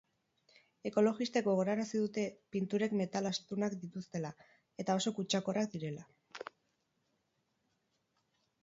Ekologistek gogorarazi dute pinturek metal astunak dituztela eta oso kutsakorrak direla.